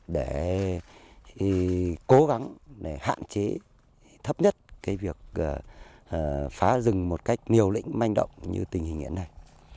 để cố gắng để hạn chế thấp nhất việc phá rừng một cách nhiều lĩnh manh động như tình hình hiện nay